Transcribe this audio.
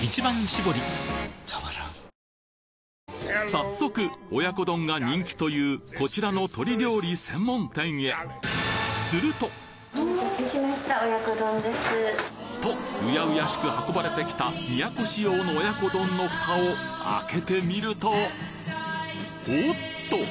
早速親子丼が人気というこちらの鶏料理専門店へと恭しく運ばれてきた都仕様の親子丼のフタを開けてみるとおっと！